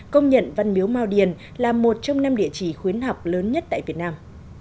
công nhận văn miếu mau điền là một trong năm địa chỉ khuyến học lớn nhất tại việt nam